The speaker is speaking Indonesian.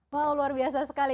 wah luar biasa sekali